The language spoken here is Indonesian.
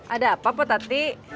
ada apa pak tati